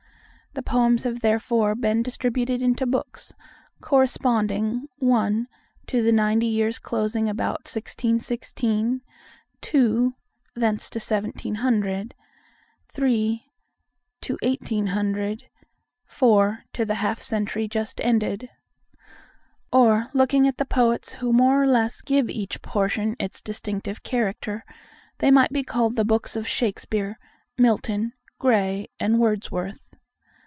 The poems have been therefore distributed into Books, corresponding—I. to the ninety years closing about 1616, II. thence to 1700, III. to 1800, IV. to the half century just ended. Or, looking at the poets who more or less give each portion its distinctive character, they might be called the Books of Shakespeare, Milton, Gray, and Wordsworth.